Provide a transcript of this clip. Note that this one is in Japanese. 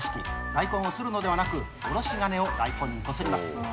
大根をするのではなく、おろしがねを大根にこすります。